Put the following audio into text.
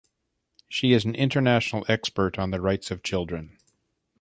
She is an international expert on the rights of children.